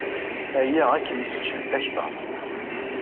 Aya ad kem-isseǧhed akter.